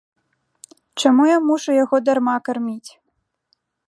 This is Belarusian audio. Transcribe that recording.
Чаму я мушу яго дарма карміць?